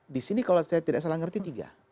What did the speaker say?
di sini kalau saya tidak salah ngerti tiga